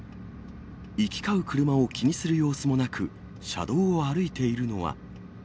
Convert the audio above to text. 行き交う車を気にする様子もなく、車道を歩いているのは。